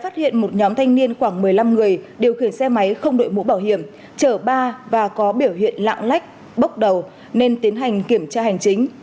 khoảng một mươi năm người điều khiển xe máy không đội mũ bảo hiểm chở ba và có biểu hiện lạng lách bốc đầu nên tiến hành kiểm tra hành chính